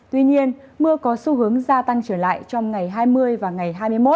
tuy nhiên mưa có xu hướng gia tăng trở lại trong ngày hai mươi và ngày hai mươi một